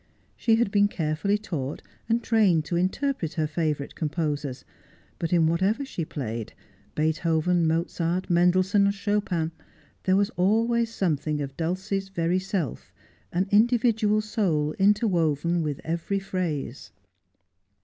She had been carefully taught and trained to interpret her favourite composers, but in whatever she played — Beethoven, Mozart, Mendelssohn, Chopin — there was always something of Dulcie's very self, an individual soul interwoven with every phrase.